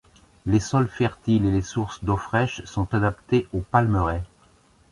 Les sols fertiles et les sources d'eau fraîche sont adaptées aux palmeraies.